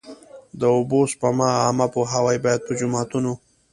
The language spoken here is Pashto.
د اوبو سپما عامه پوهاوی باید په جوماتونو.